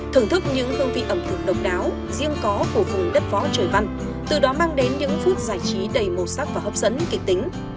thưởng thức những hương vị ẩm thực độc đáo riêng có của vùng đất võ trời văn từ đó mang đến những phút giải trí đầy màu sắc và hấp dẫn kịch tính